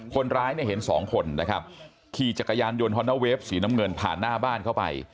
คนร้ายเนี่ยเห็นสองคนนะครับขี่จักรยานยนต์ฮอนนาเวฟสีน้ำเงินผ่านหน้าบ้านเข้าไป